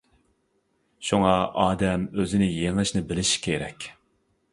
شۇڭا ئادەم ئۆزىنى يېڭىشنى بىلىشى كېرەك.